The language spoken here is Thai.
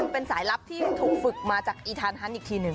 เป็นสายลับที่ถูกฝึกมาจากอีทานฮันสอีกทีหนึ่ง